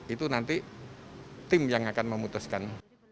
itu nanti tim yang akan memutuskan